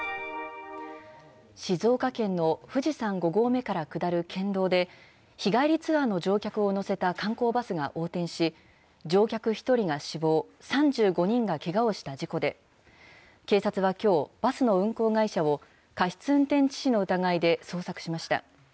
静岡県の富士山５合目から下る県道で、日帰りツアーの乗客を乗せた観光バスが横転し、乗客１人が死亡、３５人がけがをした事故で、警察はきょう、バスの運行会社を過失運転致死の疑いで捜索しました。